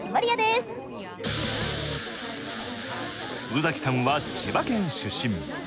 宇崎さんは千葉県出身。